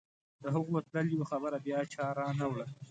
د هغو تللیو خبر بیا چا رانه وړ.